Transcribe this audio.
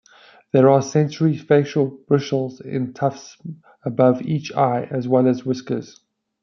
There are sensory facial bristles in tufts above each eye as well as whiskers.